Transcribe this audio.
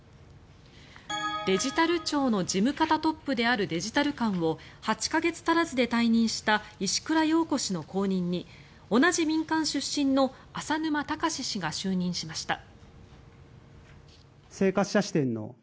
デジタル庁の事務方トップであるデジタル監を８か月足らずで退任した石倉洋子氏の後任に同じ民間出身の浅沼尚氏が就任しました。